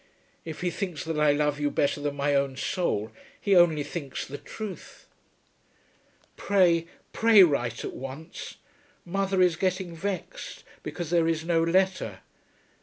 If he thinks that I love you better than my own soul, he only thinks the truth. Pray, pray write at once. Mother is getting vexed because there is no letter.